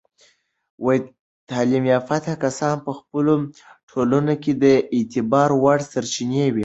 تعلیم یافته کسان په خپلو ټولنو کې د اعتبار وړ سرچینې وي.